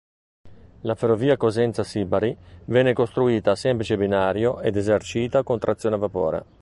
La ferrovia Cosenza-Sibari venne costruita a semplice binario ed esercita con trazione a vapore.